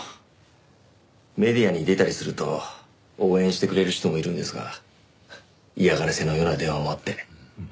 メディアに出たりすると応援してくれる人もいるんですが嫌がらせのような電話もあって。